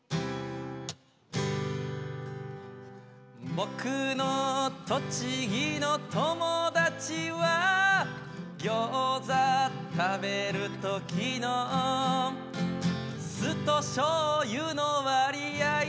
僕の栃木の友達はギョーザ食べる時の酢としょうゆの割合